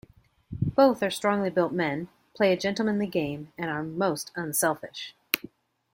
Both are strongly-built men, play a gentlemanly game, and are most unselfish.